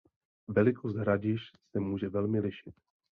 Velikost hradišť se může velmi lišit.